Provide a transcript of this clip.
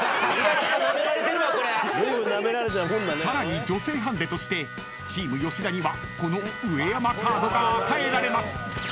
［さらに女性ハンデとしてチーム吉田にはこの上山カードが与えられます］